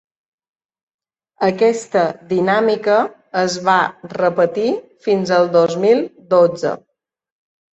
Aquesta dinàmica es va repetir fins al dos mil dotze.